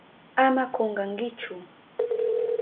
Ama kunkankichu.